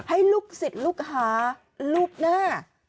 ให้ลูกศิษย์ลูกหารูปหน้า